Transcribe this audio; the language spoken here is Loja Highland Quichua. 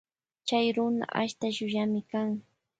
Chy runa ashta llullami kan.